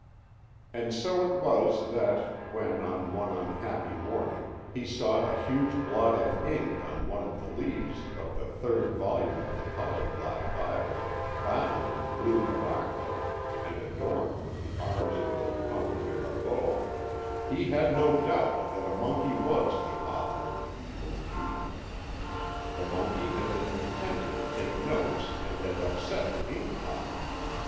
And so it was that, when, on one unhappy morning, he saw a huge blot of ink on one of the leaves of the third volume of the polyglot Bible bound in blue morocco and adorned with the arms of the Comte de Mirabeau, he had no doubt that a monkey was the author of the evil deed. The monkey had been pretending to take notes and had upset the inkpot.